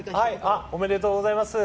おめでとうございます。